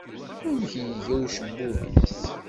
Amek iga ucebbub-is?